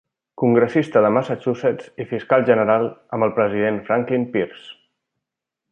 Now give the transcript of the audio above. Congressista de Massachusetts i Fiscal General amb el President Franklin Pierce.